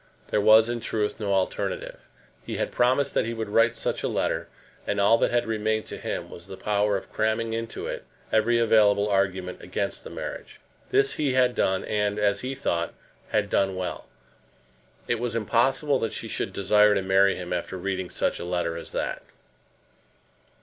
There was, in truth, no alternative. He had promised that he would write such a letter, and all that had remained to him was the power of cramming into it every available argument against the marriage. This he had done, and, as he thought, had done well. It was impossible that she should desire to marry him after reading such a letter as that!